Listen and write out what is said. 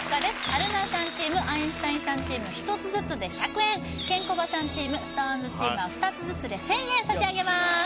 春菜さんチームアインシュタインさんチーム１つずつで１００円ケンコバさんチームＳｉｘＴＯＮＥＳチームは２つずつで１０００円差し上げます